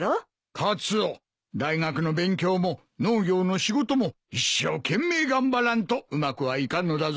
カツオ大学の勉強も農業の仕事も一生懸命頑張らんとうまくはいかんのだぞ。